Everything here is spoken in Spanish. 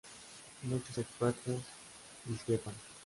Muchos expertos discrepan.